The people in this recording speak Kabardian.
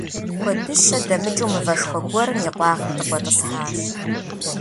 Куэдыщэ дымыкӀуу мывэшхуэ гуэрым и къуагъым дыкъуэтӀысхьащ.